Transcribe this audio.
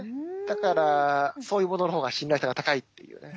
だからそういうものの方が信頼性が高いっていうね。